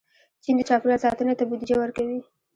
چین د چاپېریال ساتنې ته بودیجه ورکوي.